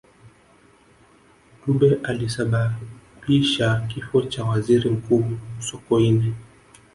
dube alisababisua kifo cha waziri mkuu sokoine